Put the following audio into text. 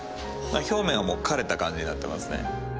表面はもう枯れた感じになってますね。